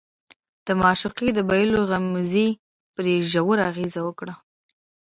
د معشوقې د بايللو غمېزې پرې ژور اغېز وکړ.